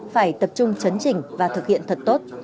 phải tập trung chấn chỉnh và thực hiện thật tốt